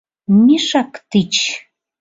— Мешак тич.